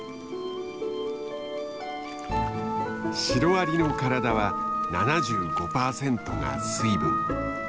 シロアリの体は７５％が水分。